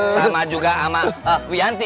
sama juga sama wianti